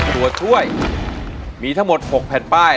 ตัวช่วยมีทั้งหมด๖แผ่นป้าย